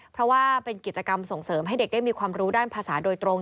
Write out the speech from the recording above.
เพราะว่าเป็นกิจกรรมส่งเสริมให้เด็กได้มีความรู้ด้านภาษาโดยตรง